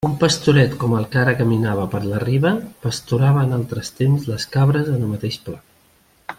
Un pastoret com el que ara caminava per la riba pasturava en altres temps les cabres en el mateix pla.